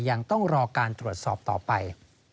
ยังต้องรอการตรวจสอบต่อไป